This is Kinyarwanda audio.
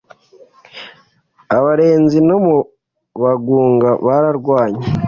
Abarenzi no mu Bagunga Bararwanye